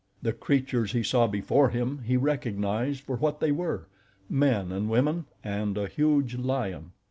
The creatures he saw before him he recognized for what they were—men and women, and a huge lion.